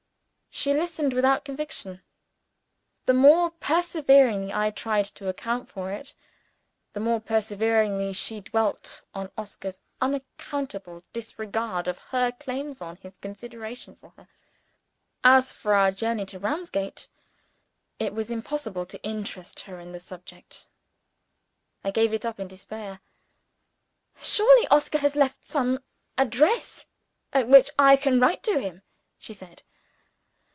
She listened, without conviction. The more perseveringly I tried to account for it, the more perseveringly she dwelt on Oscar's unaccountable disregard of her claims on his consideration for her. As for our journey to Ramsgate, it was impossible to interest her in the subject. I gave it up in despair. "Surely Oscar has left some address at which I can write to him?" she said.